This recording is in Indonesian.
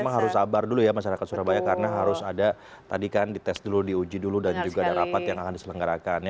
memang harus sabar dulu ya masyarakat surabaya karena harus ada tadi kan dites dulu diuji dulu dan juga ada rapat yang akan diselenggarakan